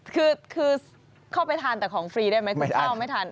คือเข้าไปทานแต่ของฟรีได้ไหมคุณข้าวไม่ทัน